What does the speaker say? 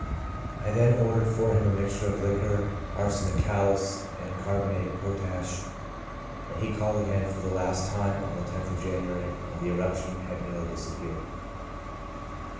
I then ordered for him a mixture of liquor arsenicalis and carbonate of potash, and he called again for the last time on the lOth of January, when the eruption had nearly dis appeared.